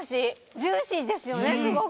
ジューシーですよねすごく。